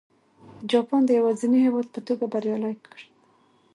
جاپان د یوازیني هېواد په توګه بریالی کړ.